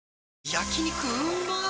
焼肉うまっ